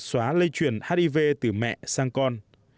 xóa lây chuyển hiv từ mẹ sang con